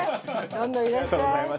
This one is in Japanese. どんどんいらっしゃい！